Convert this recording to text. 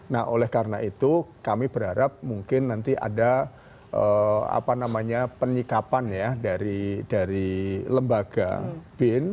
nah oleh karena itu kami berharap mungkin nanti ada penyikapan ya dari lembaga bin